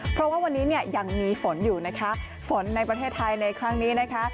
เพราะว่าวันนี้เนี่ยยังมีฝนอยู่นะคะฝนในประเทศไทยในครั้งนี้นะคะ